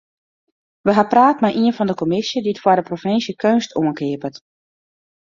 We ha praat mei ien fan de kommisje dy't foar de provinsje keunst oankeapet.